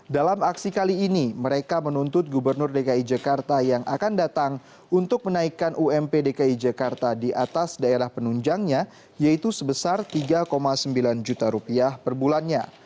dalam aksi kali ini mereka menuntut gubernur dki jakarta yang akan datang untuk menaikkan ump dki jakarta di atas daerah penunjangnya yaitu sebesar rp tiga sembilan juta rupiah per bulannya